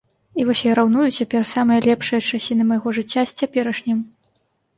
І вось я раўную цяпер самыя лепшыя часіны майго жыцця з цяперашнім.